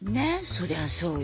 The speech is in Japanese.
そりゃそうよ。